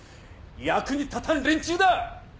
役に立たん連中だ！